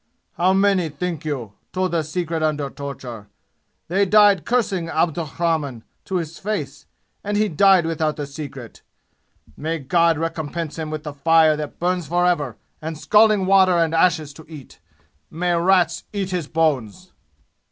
How many, think you, told the secret under torture? They died cursing Abdurrahman to his face and he died without the secret! May God recompense him with the fire that burns forever and scalding water and ashes to eat! May rats eat his bones!"